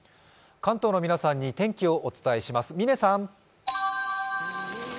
関東の皆さんに天気をお伝えします。